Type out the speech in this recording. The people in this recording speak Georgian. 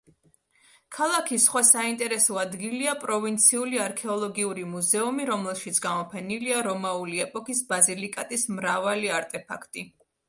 ქალაქის სხვა საინტერესო ადგილია პროვინციული არქეოლოგიური მუზეუმი, რომელშიც გამოფენილია რომაული ეპოქის ბაზილიკატის მრავალი არტეფაქტი.